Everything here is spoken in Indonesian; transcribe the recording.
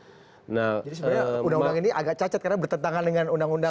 jadi sebenarnya undang undang ini agak cacat karena bertentangan dengan undang undang